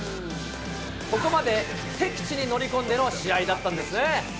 ここまで敵地に乗り込んでの試合だったんですね。